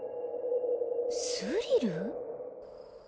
スリル？